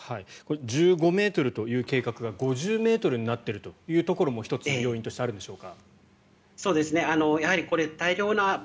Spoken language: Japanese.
１５ｍという計画が５０ｍになっているというところも１つ要因としてあるんでしょうか。